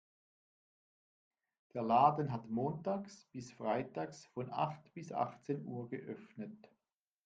Der Laden hat montags bis freitags von acht bis achtzehn Uhr geöffnet.